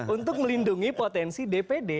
untuk melindungi potensi dpd